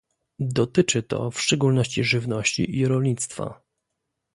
Dotyczy to w szczególności żywności i rolnictwa